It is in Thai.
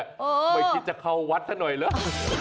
ไม่คิดจะเข้าวัดซะหน่อยเหรอ